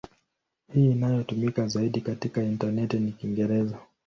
Hii inayotumika zaidi katika intaneti ni Kiingereza.